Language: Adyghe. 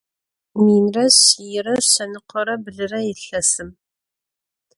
Minre şsiyre şsenıkhore blıre yilhesım.